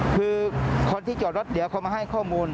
คือคนที่จอดรถเดี๋ยวเขามาให้ข้อมูล